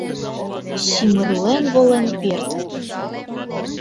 Сӱмырлен волен пӧрт.